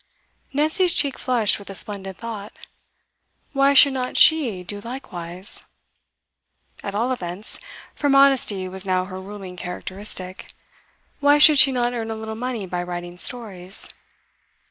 Nancy's cheek flushed with a splendid thought. Why should not she do likewise? At all events for modesty was now her ruling characteristic why should she not earn a little money by writing Stories?